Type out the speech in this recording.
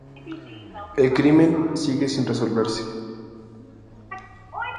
El crimen sigue sin resolverse.